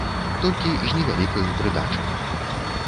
Толькі з невялікаю прыдачаю.